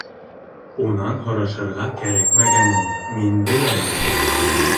Унан һорашырға кәрәкмәгәнен мин белә инем.